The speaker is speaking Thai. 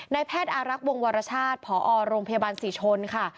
แพทย์อารักษ์วงวรชาติผอโรงพยาบาลศรีชนค่ะ